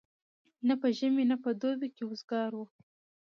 نه په ژمي نه په دوبي کي وزګار وو